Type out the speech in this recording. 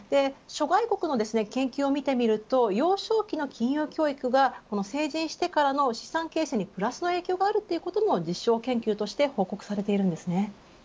諸外国の研究を見ていると幼少期の金融教育が成人してからの資産形成にプラスの影響があるということも実証研究として報告されています。